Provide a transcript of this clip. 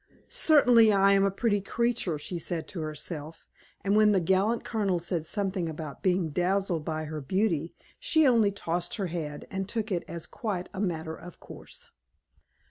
"Certainly I am a pretty creature," she said to herself; and when the gallant Colonel said something about being dazzled by her beauty, she only tossed her head and took it as quite a matter of course.